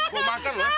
gue makan lu